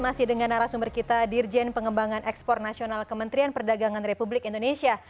masih dengan arah sumber kita dirjen pengembangan ekspor nasional kementerian perdagangan republik indonesia